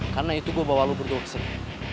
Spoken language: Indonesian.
karena itu gue bawa lu berdua ke sini